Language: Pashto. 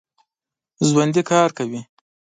ژوندي کار کوي